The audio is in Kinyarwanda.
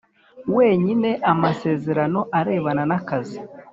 wenyine amasezerano arebana n akazi